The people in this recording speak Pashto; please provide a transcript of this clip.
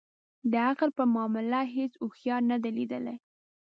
د عقل پر معامله هیڅ اوښیار نه دی لېدلی.